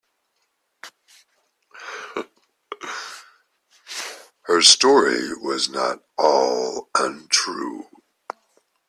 Her story was not all untrue.